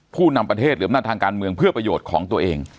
ผู้นำประเทศหรืออำนาจทางการเมืองเพื่อประโยชน์ของตัวเอง